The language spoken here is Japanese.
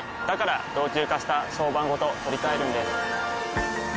から老朽化した床版ごと取り替えるんです。